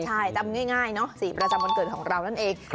ใช่จำง่ายเนอะสีประจำวันเกิดของเรานั่นเอง